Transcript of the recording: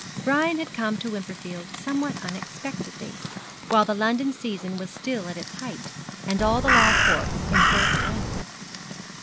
Brian had come to Wimperfield somewhat unexpectedly, while the London season was still at its height, and all the law courts in full swing.